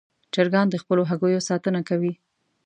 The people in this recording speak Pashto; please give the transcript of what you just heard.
چرګان د خپلو هګیو ساتنه کوي.